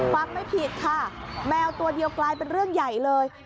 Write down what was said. ไม่ผิดค่ะแมวตัวเดียวกลายเป็นเรื่องใหญ่เลย